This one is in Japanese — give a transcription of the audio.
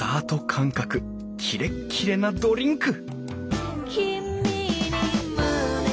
感覚キレッキレなドリンク！